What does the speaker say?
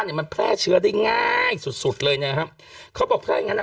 เนี่ยมันแพร่เชื้อได้ง่ายสุดสุดเลยนะฮะเขาบอกถ้าอย่างงั้นอ่ะ